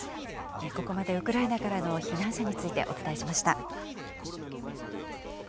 ここまでウクライナからの避難者についてお伝えしました。